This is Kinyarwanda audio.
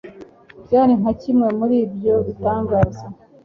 byari nka kimwe muri ibyo bitangaza